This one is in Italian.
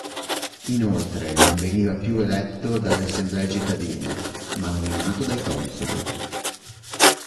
Inoltre, non veniva più eletto dalle assemblee cittadine, ma nominato dai Consoli.